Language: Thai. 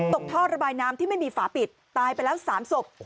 ท่อระบายน้ำที่ไม่มีฝาปิดตายไปแล้ว๓ศพ